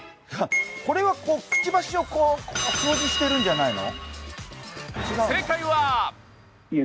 これはくちばしを掃除してるんじゃないの？